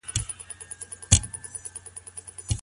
که ميرمني د ځيني شپو لپاره رجوع وکړه نو څه به وسي؟